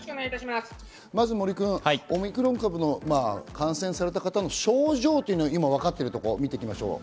まずオミクロン株の感染された方の症状というのを今分かっているところを見ていきましょう。